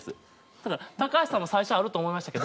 ただ高橋さんも最初あると思いましたけど。